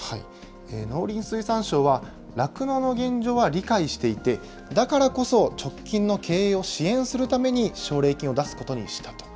農林水産省は、酪農の現状は理解していて、だからこそ、直近の経営を支援するために奨励金を出すことにしたと。